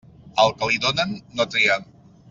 Al que li donen, no tria.